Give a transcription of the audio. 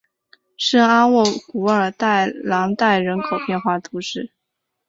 圣阿沃古尔代朗代人口变化图示